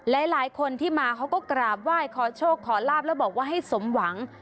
หลายคนที่มาเขาก็กราบไหว้ขอโชคขอลาบแล้วบอกว่าให้สมหวัง